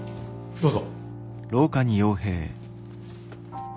どうぞ。